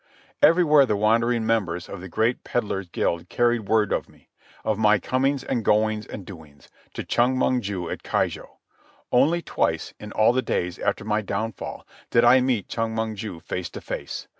Everywhere the wandering members of the great Peddlers' Guild carried word of me, of my comings and goings and doings, to Chong Mong ju at Keijo. Only twice, in all the days after my downfall, did I meet Chong Mong ju face to face.